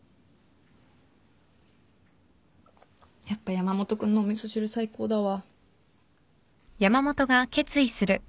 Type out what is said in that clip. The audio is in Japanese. やっぱ山本君のお味噌汁最高だわ。